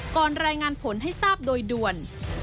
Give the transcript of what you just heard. รายงานผลให้ทราบโดยด่วน